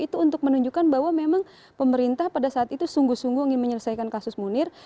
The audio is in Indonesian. itu untuk menunjukkan bahwa memang pemerintah pada saat itu sungguh sungguh ingin menyelesaikan kasus munir